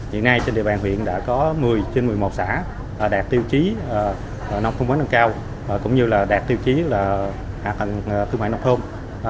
hiện nay trên địa bàn huyện đã có một mươi trên một mươi một xã đạt tiêu chí nông thông mới nâng cao cũng như đạt tiêu chí hạ tầng thương mại nông thông